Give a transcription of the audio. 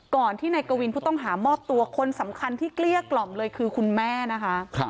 ที่นายกวินผู้ต้องหามอบตัวคนสำคัญที่เกลี้ยกล่อมเลยคือคุณแม่นะคะ